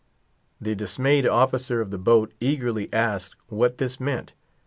The dismayed officer of the boat eagerly asked what this meant.